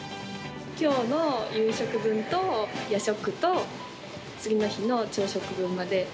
きょうの夕食分と、夜食と、次の日の朝食分まで。